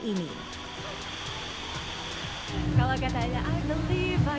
kami akan menemani